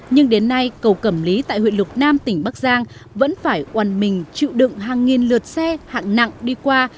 nhưng đến nay cầu cẩm lý tại huyện lục nam tỉnh bắc giang vẫn phải oàn mình chịu đựng hàng nghìn lượt xe hạng nặng đi qua